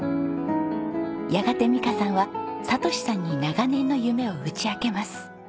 やがて美香さんは聰さんに長年の夢を打ち明けます。